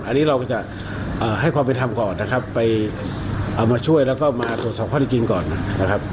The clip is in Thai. อันนี้เราจะให้ความเป็นธรรมก่อนนะครับไปเอามาช่วยแล้วก็มาตรวจสอบข้อที่จริงก่อนนะครับ